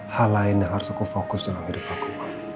hal lain yang harus aku fokus dalam hidup aku